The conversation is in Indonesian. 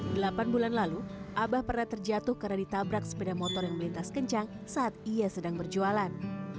delapan bulan lalu abah pernah terjatuh karena ditabrak sepeda motor yang melintas kencang saat ia sedang berjualan